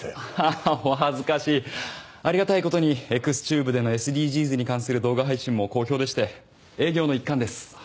ありがたい事にエクスチューブでのＳＤＧｓに関する動画配信も好評でして営業の一環です。